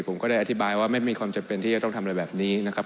ผมก็ได้อธิบายว่าไม่มีความจำเป็นที่จะต้องทำอะไรแบบนี้นะครับ